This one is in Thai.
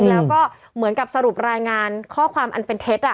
แล้วก็เหมือนกับสรุปรายงานข้อความอันเป็นเท็จ